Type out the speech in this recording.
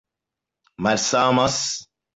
malsamas